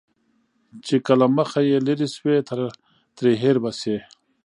چې که له مخه يې لرې شوې، ترې هېر به شې.